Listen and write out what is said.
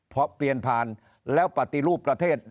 พอเปลี่ยนผ่านแล้วปฏิรูปประเทศ